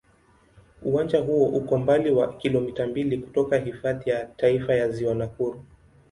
Uwanja huo uko umbali wa kilomita mbili kutoka Hifadhi ya Taifa ya Ziwa Nakuru.